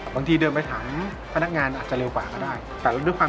บางทีเดินไปสามารถถามพนักงานเร็วบอกราด